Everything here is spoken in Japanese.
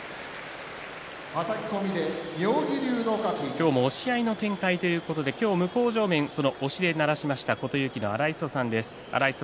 今日も押し合いの展開ということで向正面押しでならしました琴勇輝の荒磯さんです。